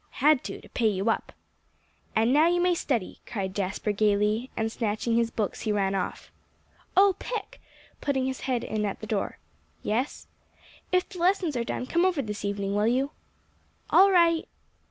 "Had to, to pay you up." "And now you may study," cried Jasper gaily; and snatching his books, he ran off. "Oh, Pick," putting his head in at the door. "Yes?" "If the lessons are done, come over this evening, will you?" "All right."